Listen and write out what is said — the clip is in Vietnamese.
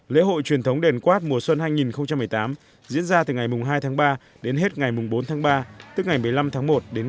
lễ hội truyền thống đền quát mùa xuân hai nghìn một mươi tám diễn ra từ ngày hai tháng ba đến hết ngày bốn tháng ba tức ngày một mươi năm tháng một đến ngày một mươi bảy tháng một âm lịch